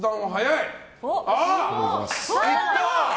いった！